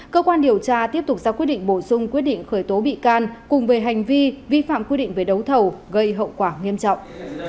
cơ quan điều tra tiếp tục ra quyết định bổ sung quyết định khởi tố bị can cùng về hành vi vi phạm quy định về đấu thầu gây hậu quả nghiêm trọng